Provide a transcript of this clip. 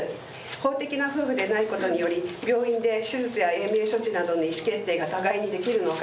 法的な夫婦でないことにより病院で手術や延命処置などの意思決定が互いにできるのか。